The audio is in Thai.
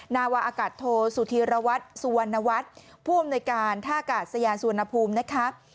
นวาอากาศโทสุธีรวัตน์สวนวัตน์ผู้อำนวยการท่ากาศสยานสวนภูมินะคะ